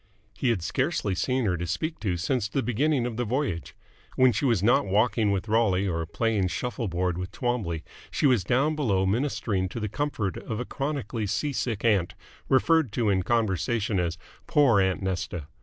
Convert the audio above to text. He had scarcely seen her to speak to since the beginning of the voyage. When she was not walking with Rolly or playing shuffle board with Twombley, she was down below ministering to the comfort of a chronically sea sick aunt, referred to in conversation as "poor aunt Nesta".